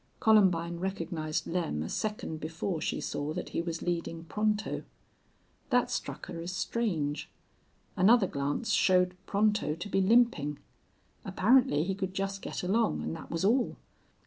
Columbine recognized Lem a second before she saw that he was leading Pronto. That struck her as strange. Another glance showed Pronto to be limping. Apparently he could just get along, and that was all.